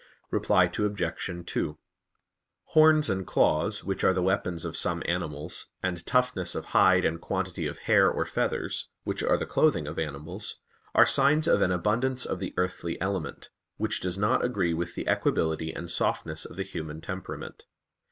Reply Obj. 2: Horns and claws, which are the weapons of some animals, and toughness of hide and quantity of hair or feathers, which are the clothing of animals, are signs of an abundance of the earthly element; which does not agree with the equability and softness of the human temperament.